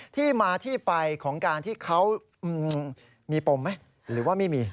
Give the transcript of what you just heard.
ที่มาที่ไปของการที่เขามีปมไหมหรือว่าไม่มี